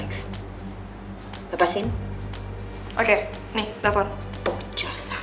kau mau kemana